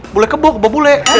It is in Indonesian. bule kebuk kebuk bule